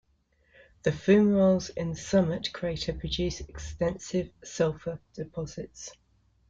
The fumaroles in the summit crater produce extensive sulfur deposits.